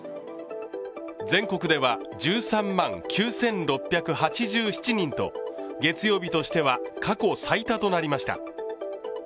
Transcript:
全国では１３万９６８７人と月曜日としては過去最多となりました。